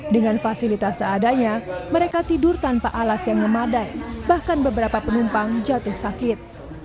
dengan fasilitas seadanya mereka tidur tanpa alas yang memadai bahkan beberapa penumpang jatuh sakit